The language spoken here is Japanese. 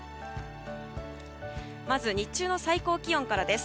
まず日中の最高気温からです。